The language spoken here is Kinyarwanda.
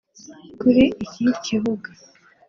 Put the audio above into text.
Kuri iki kibuga